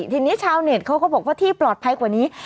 ทีนี้ชาวเน็ตเขาก็บอกว่าที่ปลอดภัยกว่านี้